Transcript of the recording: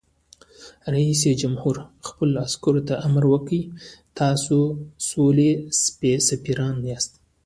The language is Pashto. رئیس جمهور خپلو عسکرو ته امر وکړ؛ تاسو د سولې سفیران یاست!